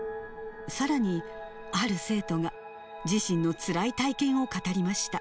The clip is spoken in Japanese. さらに、ある生徒が自身のつらい体験を語りました。